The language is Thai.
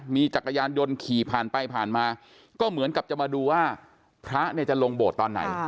มีจักรยานยนต์ขี่ผ่านไปผ่านมาก็เหมือนกับจะมาดูว่าพระเนี่ยจะลงโบสถ์ตอนไหน